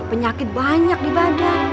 penyakit banyak di badan